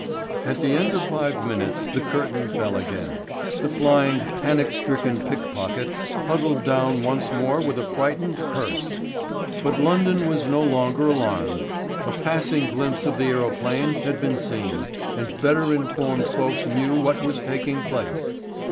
At the end of five minutes the curtain fell again. The flying, panic stricken pickpocket huddled down once more with a frightened curse. But London was no longer alarmed. A passing glimpse of the aerophane had been seen, and better informed folks knew what was taking place.